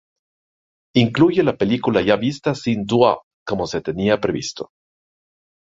Incluye la película ya vista sin "Doo Up" como se tenía previsto.